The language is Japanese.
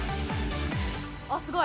あっすごい。